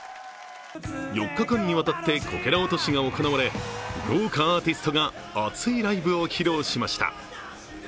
４日間にわたってこけら落としが行われ豪華アーティストが熱いライブを披露しました。